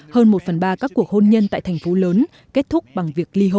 hơn một phần ba các cuộc hôn nhân tại thành phố lớn kết thúc bằng việc ly hôn